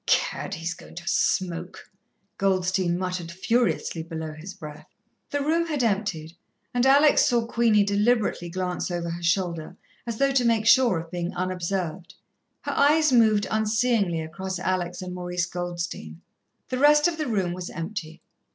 "Cad! he's going to smoke," Goldstein muttered furiously below his breath. The room had emptied, and Alex saw Queenie deliberately glance over her shoulder, as though to make sure of being unobserved. Her eyes moved unseeingly across Alex and Maurice Goldstein. The rest of the room was empty.